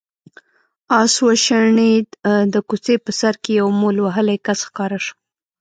آس وشڼېد، د کوڅې په سر کې يو مول وهلی کس ښکاره شو.